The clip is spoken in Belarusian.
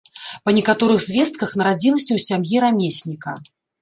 Па некаторых звестках, нарадзілася ў сям'і рамесніка.